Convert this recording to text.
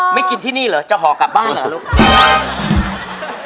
ไม่กินที่นี่เหรอจะหอกลับบ้านเหรอลูก